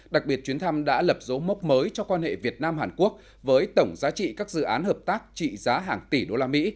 đặc biệt chuyến thăm đã lập dấu mốc mới cho quan hệ việt nam hàn quốc với tổng giá trị các dự án hợp tác trị giá hàng tỷ usd